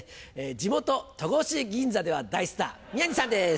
地元戸越銀座では大スター宮治さんです。